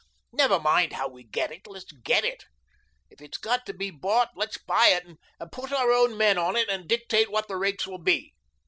Never mind how we get it, let's get it. If it's got to be bought, let's buy it and put our own men on it and dictate what the rates will be.